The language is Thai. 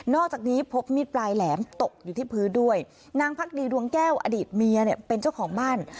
อกจากนี้พบมีดปลายแหลมตกอยู่ที่พื้นด้วยนางพักดีดวงแก้วอดีตเมียเนี่ยเป็นเจ้าของบ้าน